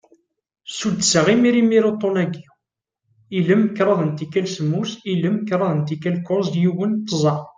Suddseɣ imir imir uṭṭun-agi: ilem, kraḍ n tikal semmus, ilem, kraḍ n tikal kuẓ, yiwen, tẓa.